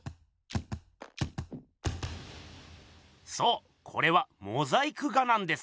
そうこれはモザイク画なんです。